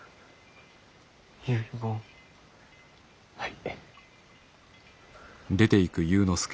はい。